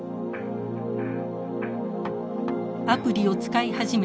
アプリを使い始めて３年。